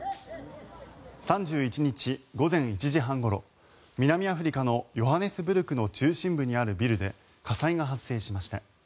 ３１日午前１時半ごろ南アフリカのヨハネスブルクの中心部にあるビルで火災が発生しました。